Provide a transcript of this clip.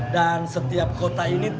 dan setiap kota ini temanya